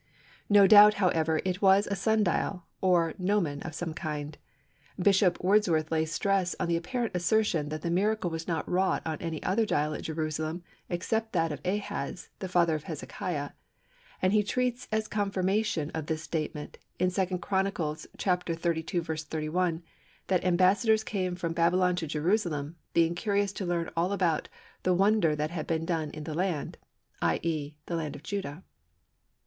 No doubt, however, it was a sun dial, or gnomon of some kind. Bishop Wordsworth lays stress on the apparent assertion that the miracle was not wrought on any other dial at Jerusalem except that of Ahaz, the father of Hezekiah, and he treats as a confirmation of this the statement in 2 Chron. xxxii. 31, that ambassadors came from Babylon to Jerusalem, being curious to learn all about "the wonder that had been done in the land" (i.e. in the land of Judah).